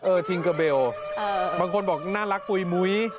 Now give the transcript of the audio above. ทิงเกอร์เบลบางคนบอกน่ารักปุ๋ยมุ้ย